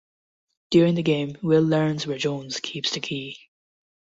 During the game, Will learns where Jones keeps the key.